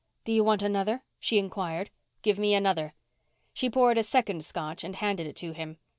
"Do you want another?" she inquired. "Give me another." She poured a second Scotch and handed it to him.